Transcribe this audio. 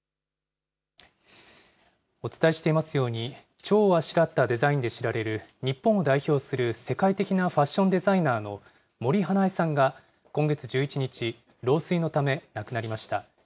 お伝えしていますように、ちょうをあしらったデザインで知られる、日本を代表する世界的なファッションデザイナーの森英恵さんが、今月１１日、老衰のため亡くなりました。